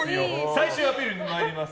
最終アピールに参ります。